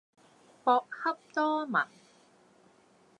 博洽多聞